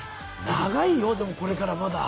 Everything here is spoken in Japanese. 長いよでもこれからまだ。